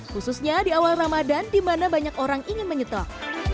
khususnya di awal ramadan di mana banyak orang ingin menyetok